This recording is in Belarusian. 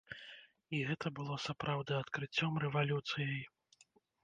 І гэта было сапраўды адкрыццём, рэвалюцыяй.